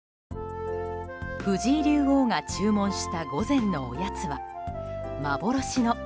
藤井竜王が注文した午前のおやつは幻の！！